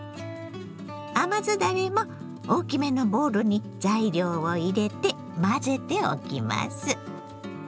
甘酢だれも大きめのボウルに材料を入れて混ぜておきます。